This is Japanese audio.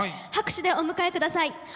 拍手でお迎えください。